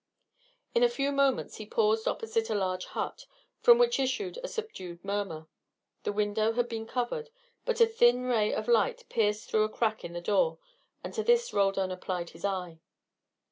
In a few moments he paused opposite a large hut, from which issued a subdued murmur. The window had been covered, but a thin ray of light pierced through a crack in the door, and to this Roldan applied his eye.